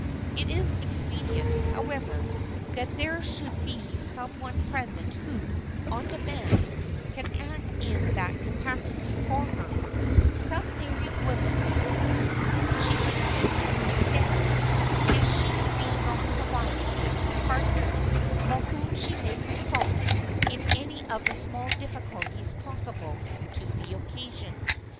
It is expedient, however, that there should be some one present who, on demand, can act in that capacity for her,—some married woman with whom she may sit out a dance, if she be not provided with a partner, or whom she may consult in any of the small difficulties possible to the occasion.